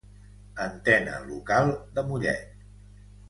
Antena Local de Mollet.